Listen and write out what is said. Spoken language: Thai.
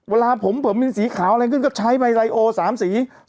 วันละผมผมเป็นสีขาวอะไรก็ได้รายโอ๓สี